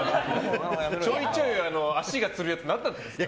ちょいちょい足がつるやつ何だったんですか？